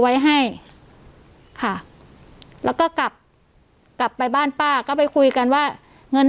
ไว้ให้ค่ะแล้วก็กลับกลับไปบ้านป้าก็ไปคุยกันว่าเงิน